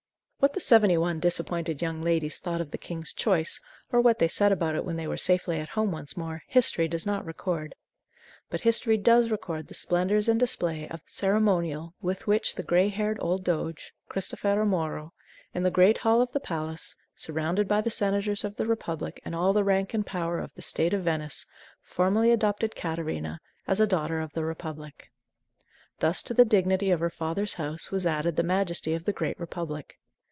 What the seventy one disappointed young ladies thought of the King's choice, or what they said about it when they were safely at home once more, history does not record. But history does record the splendors and display of the ceremonial with which the gray haired old doge, Cristofero Moro, in the great hall of the palace, surrounded by the senators of the Republic and all the rank and power of the State of Venice, formally adopted Catarina as a "daughter of the Republic." Thus to the dignity of her father's house was added the majesty of the great Republic.